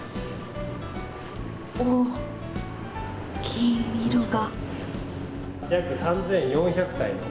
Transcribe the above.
おお、金色が。